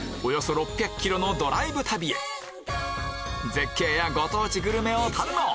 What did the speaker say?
絶景やご当地グルメを堪能！